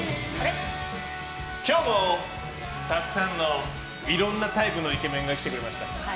今日も、たくさんのいろんなタイプのイケメンが来てくれました。